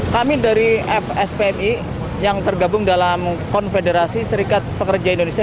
kami dari fspni yang tergabung dalam konfederasi serikat pekerja indonesia